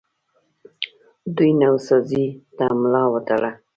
دوی نوسازۍ ته ملا وتړله